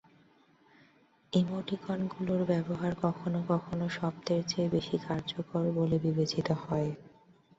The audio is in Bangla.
ইমোটিকনগুলোর ব্যবহার কখনো কখনো শব্দের চেয়ে বেশি কার্যকর বলে বিবেচিত হয়।